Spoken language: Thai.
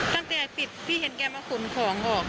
ตั้งแต่ปิดพี่เห็นแกมาขนของออก